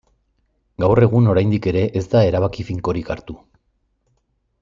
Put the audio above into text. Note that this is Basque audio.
Gaur egun oraindik ere ez da erabaki finkorik hartu.